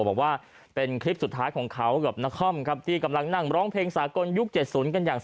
บ้างบ้างบ้างบ้างบ้างบ้าง